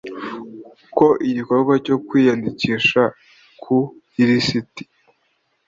ko igikorwa cyo kwiyandikisha ku ilisiti